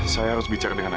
saya harus bicara dengan aida